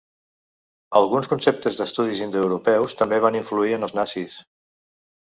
Alguns conceptes d'estudis indoeuropeus també van influir en els nazis.